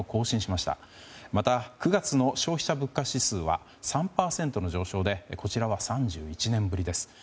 また、９月の消費者物価指数は３％の上昇でこちらは３１年ぶりです。